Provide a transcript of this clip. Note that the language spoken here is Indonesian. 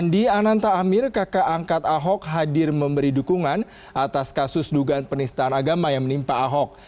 andi ananta amir kakak angkat ahok hadir memberi dukungan atas kasus dugaan penistaan agama yang menimpa ahok